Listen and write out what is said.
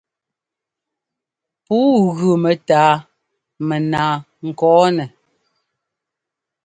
Pûu gʉ mɛ́tâa mɛnaa ŋkɔ̂nɛ.